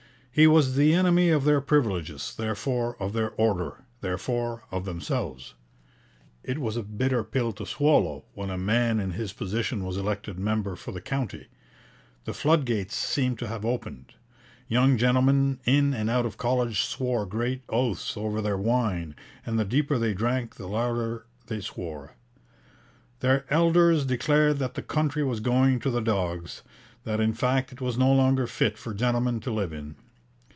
He was the enemy of their privileges, therefore of their order, therefore of themselves. It was a bitter pill to swallow when a man in his position was elected member for the county. The flood gates seemed to have opened. Young gentlemen in and out of college swore great oaths over their wine, and the deeper they drank the louder they swore. Their elders declared that the country was going to the dogs, that in fact it was no longer fit for gentlemen to live in.